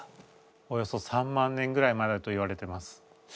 およそ３万年ぐらい前だといわれてます。